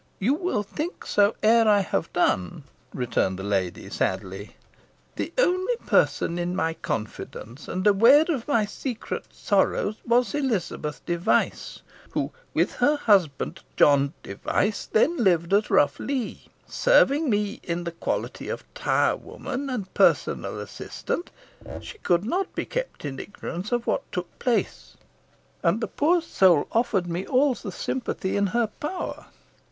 "You will think so ere I have done," returned the lady, sadly. "The only person in my confidence, and aware of my secret sorrows, was Elizabeth Device, who with her husband, John Device, then lived at Rough Lee. Serving me in the quality of tire woman and personal attendant, she could not be kept in ignorance of what took place, and the poor soul offered me all the sympathy in her power.